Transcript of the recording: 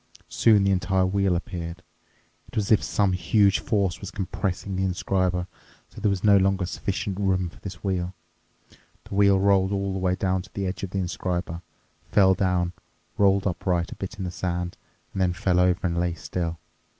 Soon the entire wheel appeared. It was as if some huge force was compressing the inscriber, so that there was no longer sufficient room for this wheel. The wheel rolled all the way to the edge of the inscriber, fell down, rolled upright a bit in the sand, and then fell over and lay still.